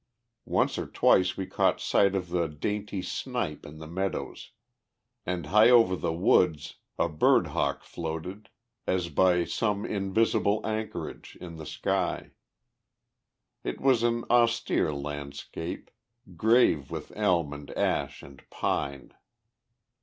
Once or twice we caught sight of the dainty snipe in the meadows, and high over the woods a bird hawk floated, as by some invisible anchorage, in the sky. It was an austere landscape, grave with elm and ash and pine.